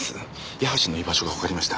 矢橋の居場所がわかりました。